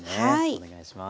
お願いします。